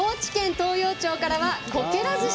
東洋町からはこけら寿司。